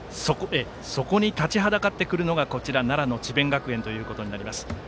そこに立ちはだかってくるのが奈良の智弁学園ということになります。